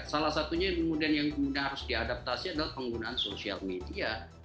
salah satunya yang kemudian harus diadaptasi adalah penggunaan social media